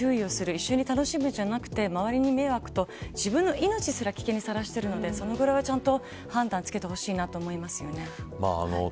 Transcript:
一緒に楽しむんじゃなくて周りに迷惑と自分の命すら危険にさらしているのでそのぐらいは判断つけてほしいと思います。